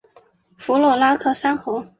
弗洛拉克三河。